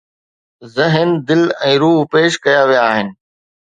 ذهن، دل ۽ روح پيش ڪيا ويا آهن